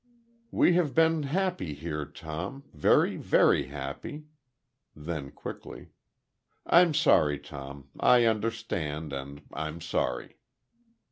"We have been happy here, Tom very, very happy." Then, quickly: "I'm sorry, Tom.... I understand, and I'm sorry."